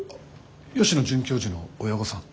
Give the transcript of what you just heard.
吉野准教授の親御さん？